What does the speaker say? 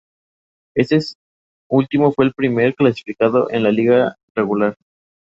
Este último fue el primer clasificado en la liga regular.